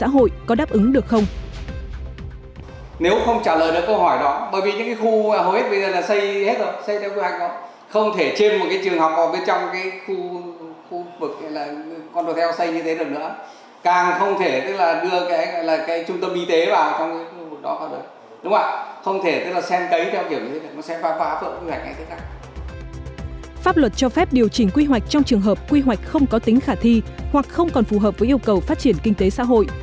hoặc không còn phù hợp với yêu cầu phát triển kinh tế xã hội